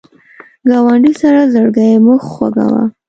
ګاونډي سره زړګی مه خوږوه